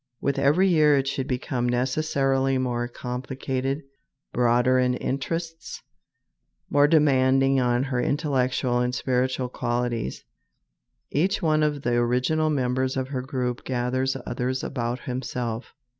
With every year it should become necessarily more complicated, broader in interests, more demanding on her intellectual and spiritual qualities. Each one of the original members of her group gathers others about himself.